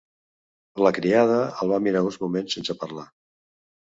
La criada el va mirar uns moments sense parlar.